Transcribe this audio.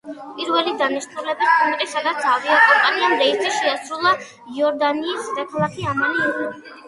პირველი დანიშნულების პუნქტი, სადაც ავიაკომპანიამ რეისი შეასრულა იორდანიის დედაქალაქი ამანი იყო.